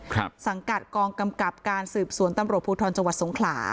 สังกัดกองกำกับการสืบสวนตำรวจภูทรจังหวัดสงขลา